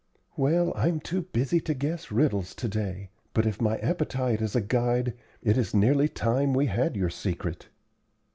"Well, I'm too busy to guess riddles to day; but if my appetite is a guide, it is nearly time we had your secret."